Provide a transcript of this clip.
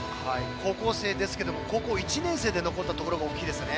高校生ですが高校１年生で残ったところが大きいですね。